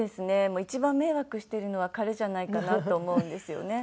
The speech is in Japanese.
もう一番迷惑してるのは彼じゃないかなと思うんですよね。